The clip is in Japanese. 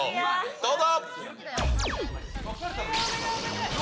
どうぞ。